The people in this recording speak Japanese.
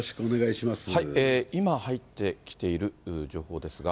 今入ってきている情報ですが。